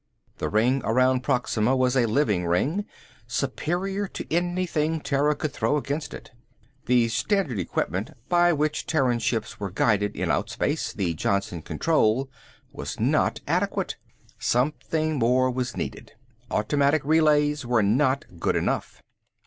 The ring around Proxima was a living ring, superior to anything Terra could throw against it. The standard equipment by which Terran ships were guided in outspace, the Johnson Control, was not adequate. Something more was needed. Automatic relays were not good enough.